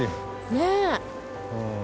ねえ。